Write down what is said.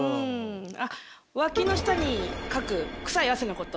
あっワキの下にかく臭い汗のこと？